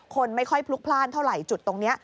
คนไม่ค่อยพลุกพลาดเท่าไหร่จุดตรงนี้